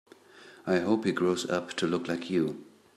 I hope he grows up to look like you.